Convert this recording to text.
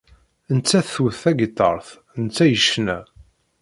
Nettat twet tagiṭart, netta yecna.